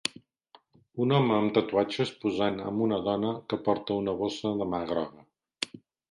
Un home amb tatuatges posant amb una dona que porta una bossa de mà groga.